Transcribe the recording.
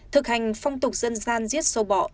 thực hành phong tục dân gian giết sâu bọ